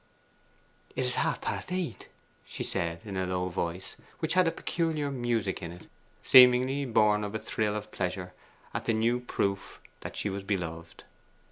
'It is half past eight,' she said in a low voice, which had a peculiar music in it, seemingly born of a thrill of pleasure at the new proof that she was beloved.